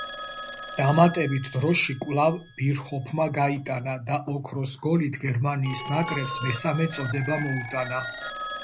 დამატებით დროში კვლავ ბირჰოფმა გაიტანა და ოქროს გოლით გერმანიის ნაკრებს მესამე წოდება მოუტანა.